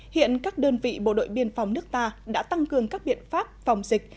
hiện các đơn vị bộ đội biên phòng nước ta đã tăng cường các biện pháp phòng dịch